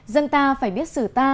dân ta phải biết sử ta